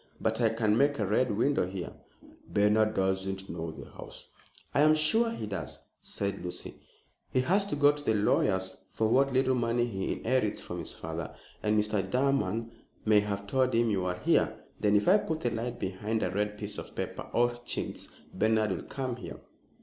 But I can make a Red Window here." "Bernard doesn't know the house." "I am sure he does," said Lucy. "He has to go to the lawyers for what little money he inherits from his father, and Mr. Durham may have told him you are here. Then if I put the light behind a red piece of paper or chintz, Bernard will come here."